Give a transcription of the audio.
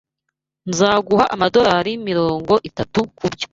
Nzaguha amadorari mirongo itatu kubyo.